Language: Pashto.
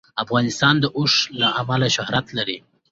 افغانستان د اوښ له امله شهرت لري.